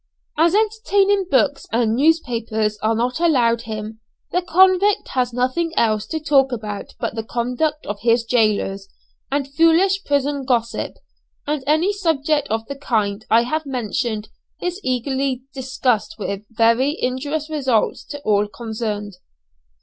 As entertaining books and newspapers are not allowed him, the convict has nothing else to talk about but the conduct of his jailers, and foolish prison gossip; and any subject of the kind I have mentioned is eagerly discussed with very injurious results to all concerned.